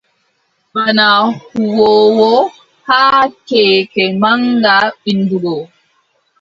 Bana huwoowo haa keeke maŋga winndugo.